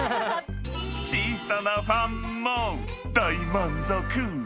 小さなファンも大満足。